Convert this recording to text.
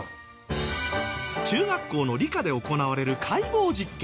中学校の理科で行われる解剖実験。